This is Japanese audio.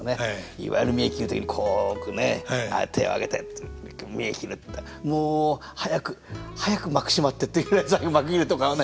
いわゆる見得切る時にこう置くね手を上げて見得切るっていったらもう早く早く幕閉まってっていうぐらい最後幕切れとかはね。